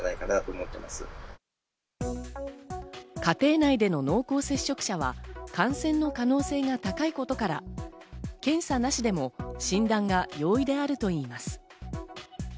家庭内での濃厚接触者は感染の可能性が高いことから、検査なしでも診断が容易であるといいます。